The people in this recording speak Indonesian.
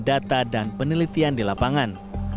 data dan penelitian di lapangan